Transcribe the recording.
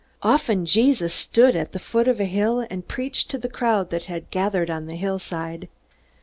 Often Jesus stood at the foot of a hill and preached to the crowd that had gathered on the hillside.